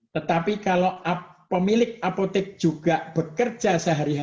tetapi kalau pemilik apotek juga bekerja sehari hari